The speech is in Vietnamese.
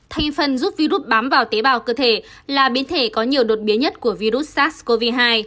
thành phần giúp virus bám vào tế bào cơ thể là biến thể có nhiều đột biến nhất của virus sars cov hai